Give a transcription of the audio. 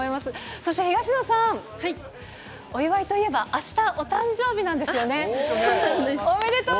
そして、東野さん、お祝いといえば、あしたお誕生日なんですよね。